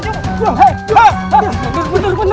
jangan kita meledakkan